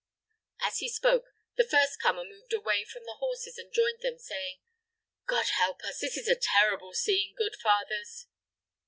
As he spoke, the first comer moved away from the horses and joined them, saying, "God help us! this is a terrible scene, good fathers."